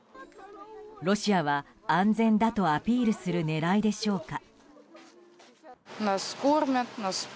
ロシアは安全だとアピールする狙いでしょうか。